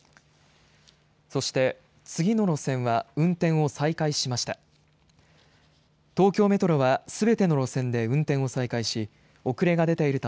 そして、次の路線は運転を再開しました。